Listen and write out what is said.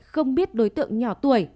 không biết đối tượng nhỏ tuổi